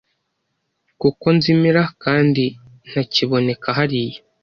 kuko nzimira kandi ntakiboneka hariya